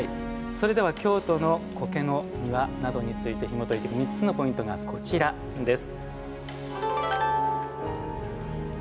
それでは京都の苔の庭などについてひもといていく３つのポイントがこちらです。